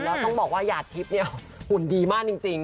แล้วต้องบอกว่าหุ่นดีมากจริง